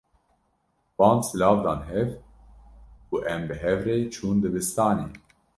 Wan silav dan hev û ew bi hev re çûn dibistanê.